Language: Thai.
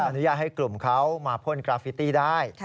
อนุญาตให้กลุ่มเขามาพ่นกราฟิตี้ได้